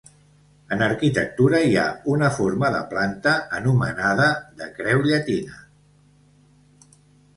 En arquitectura hi ha una forma de planta anomenada de creu llatina.